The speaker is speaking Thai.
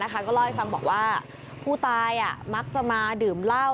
ก็เล่าให้ฟังบอกว่าผู้ตายมักจะมาดื่มเหล้า